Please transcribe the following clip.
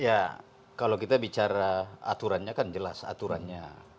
ya kalau kita bicara aturannya kan jelas aturannya